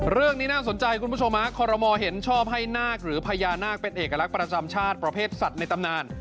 เรื่องนี้น่าสนใจคุณผู้ชมฮะคอรมอลเห็นชอบให้นาคหรือพญานาคเป็นเอกลักษณ์ประจำชาติประเภทสัตว์ในตำนาน